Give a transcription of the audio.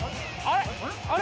あれ？